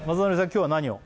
今日は何を？